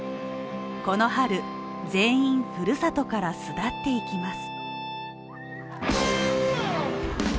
この春、全員、ふるさとから巣立っていきます。